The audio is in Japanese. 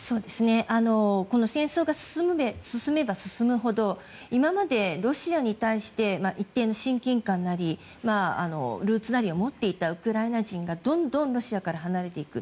戦争が進めば進むほど今までロシアに対して一定の親近感なりルーツなりを持っていたウクライナ人がどんどんロシアから離れていく。